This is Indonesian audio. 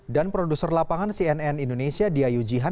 dan produser lapangan cnn indonesia diayu jihan